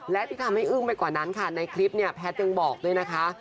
และที่ทำให้อึ้งไปกว่านั้นค่ะในคลิปเนี่ยแพทย์ยังบอกด้วยนะคะ